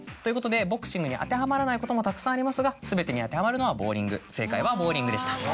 ボクシングに当てはまらないこともたくさんありますが全てに当てはまるのはボウリング正解は「ボウリング」でした。